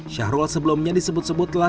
syahrul sebelumnya disebut sebut telah